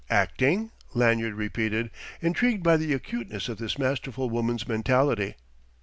"Acting?" Lanyard repeated, intrigued by the acuteness of this masterful woman's mentality.